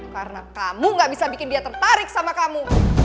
karena kamu gak bisa bikin dia tertarik sama kamu